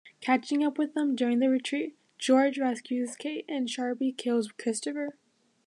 Catching up with them during the retreat, Jorge rescues Kate and Sharpe kills Christopher.